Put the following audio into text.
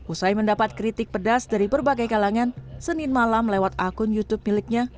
usai mendapat kritik pedas dari berbagai kalangan senin malam lewat akun youtube miliknya